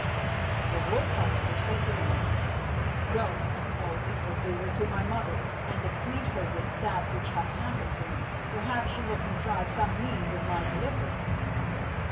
The wolf, however, said to him, "Go, O evildoer, to my mother, and acquaint her with that which hath happened to me; perhaps she will contrive some means for my deliverance."